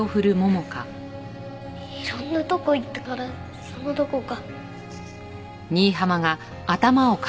いろんなとこ行ったからそのどこか。